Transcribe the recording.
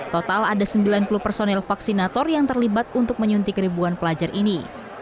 total ada sembilan puluh personil vaksinator yang terlibat untuk menyuntik ribuan pelajar ini